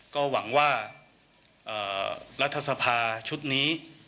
ก็หวังว่ารัฐสภาชุดนี้